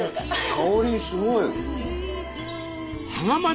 香りすごい。